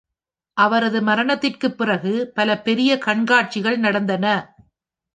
அவரது மரணத்திற்குப் பிறகு பல பெரிய கண்காட்சிகள் நடந்தன.